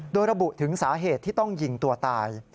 โดยระบุถึงสาเหตุที่ต้องยิงตัวตาย